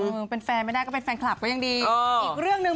เดิมมากคือว่าเป็นแฟนคลับ่นนั่งอีกเรื่องหนึ่ง